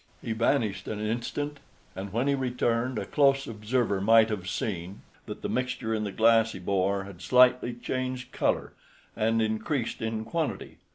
He vanished an instant, and when he returned a close observer might have seen that the mixture in the glass he bore had slightly changed color and increased in quantity.